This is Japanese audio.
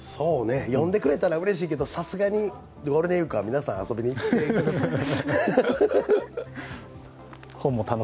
読んでくれたらうれしいけど、さすがにゴールデンウイークは皆さん、遊びにいってください。